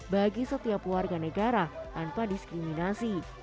bagi setiap warga negara tanpa diskriminasi